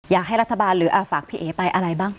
อยากให้รัฐบาลหรือฝากพี่เอ๋ไปอะไรบ้าง